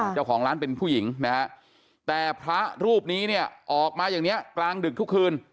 เจ้าของร้านเป็นผู้หญิงนะฮะแต่พระรูปนี้เนี่ยออกมาอย่างนี้กลางดึกทุกคืน